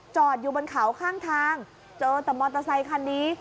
จอดอยู่บนเขาข้างทางเจอแต่มอเตอร์ไซคันนี้